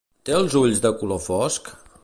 Té els ulls de color fosc?